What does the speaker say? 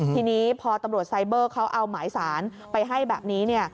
ทีนี้พอตำรวจไซเบอร์เขาเอาหมายสารไปให้แบบนี้